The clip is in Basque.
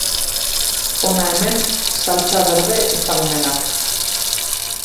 Hona hemen saltsa berde ezagunenak.